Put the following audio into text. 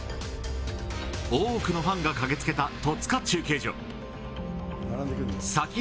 多くのファンが駆けつけた戸塚中継所。